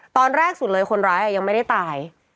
ตอนแรกสุดเลยคนร้ายยังไม่ได้ตาย